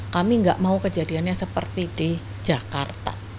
kami nggak mau kejadiannya seperti di jakarta